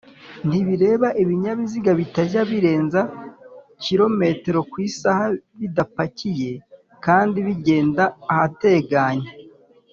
ntibireba Ibinyabiziga bitajya birenza km/h bidepakiye kandi bigenda ahateganye